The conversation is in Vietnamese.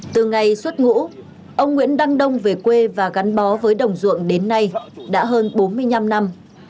từ ngày xuất ngũ ông nguyễn đăng đông về quê và gắn bó với đồng ruộng đến nay đã hơn bốn mươi năm năm